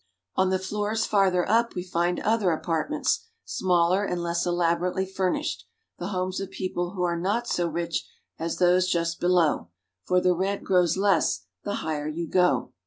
On the floors farther up we find other apart ments, smaller and less elaborately furnished, the homes of people who are not so rich as those just below, for the rent grows less the higher you go.